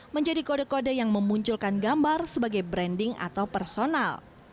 menjadi kode kode yang memunculkan gambar sebagai branding atau personal